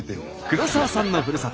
黒沢さんのふるさと